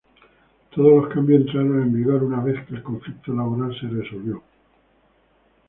Todos los cambios entraron en vigor una vez que el conflicto laboral se resolvió.